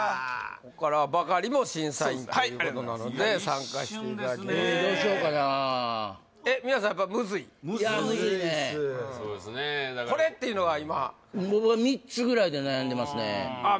こっからはバカリも審査員ということなので参加していただきます一瞬ですねどうしようかなえっ皆さんやっぱムズい？ムズいねそうですねだからこれっていうのは今僕は３つぐらいで悩んでますねああ